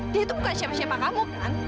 dia itu bukan siapa siapa kamu kan